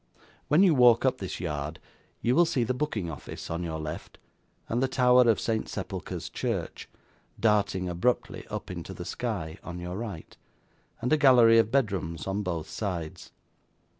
When you walk up this yard, you will see the booking office on your left, and the tower of St Sepulchre's church, darting abruptly up into the sky, on your right, and a gallery of bedrooms on both sides.